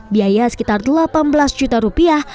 biaya sekitar delapan belas juta rupiah